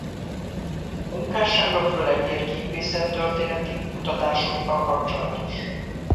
Munkássága főleg a térképészet-történeti kutatásokkal kapcsolatos.